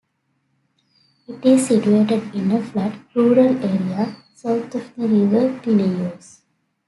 It is situated in a flat rural area, south of the river Pineios.